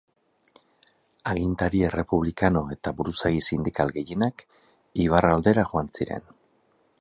Agintari errepublikano eta buruzagi sindikal gehienak Eibar aldera joan ziren.